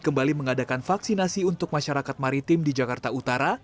kembali mengadakan vaksinasi untuk masyarakat maritim di jakarta utara